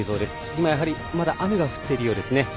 今、やはりまだ雨が降っているようですね。